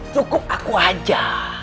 cukup aku aja